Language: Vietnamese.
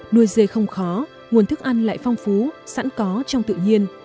nuôi dê không khó nguồn thức ăn lại phong phú sẵn có trong tự nhiên